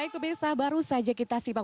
baik kebirsa baru saja kita simak